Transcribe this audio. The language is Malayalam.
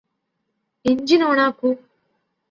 എഞ്ചിൻ ഓണാക്കു